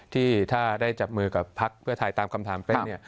ที่ถ้าได้จับมือกับพักเพื่อไทยตามคำถามเป็น